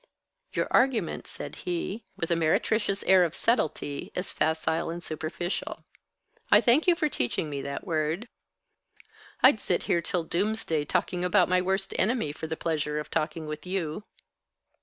"Your argument," said he, "with a meretricious air of subtlety, is facile and superficial. I thank you for teaching me that word. I'd sit here till doomsday talking about my worst enemy, for the pleasure of talking with you."